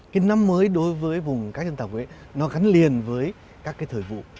cái năm mới đối với vùng các dân tộc ấy nó gắn liền với các cái thời vụ